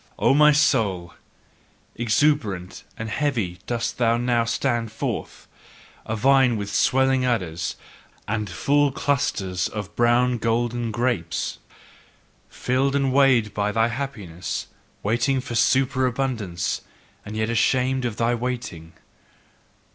O my soul, exuberant and heavy dost thou now stand forth, a vine with swelling udders and full clusters of brown golden grapes: Filled and weighted by thy happiness, waiting from superabundance, and yet ashamed of thy waiting.